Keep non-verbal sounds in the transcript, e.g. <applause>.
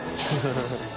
ハハハ <laughs>